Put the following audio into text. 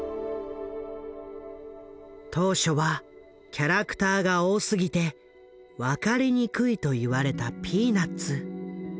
当初はキャラクターが多すぎて分かりにくいと言われた「ピーナッツ」。